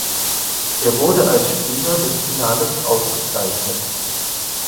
Er wurde als Spieler des Finales ausgezeichnet.